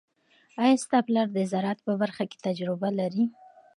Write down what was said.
آیا ستا پلار د زراعت په برخه کې تجربه لري؟